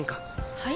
はい？